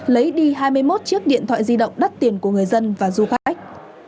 lấy đi hai mươi một chiếc điện thoại di động đắt tiền của người dân và du khách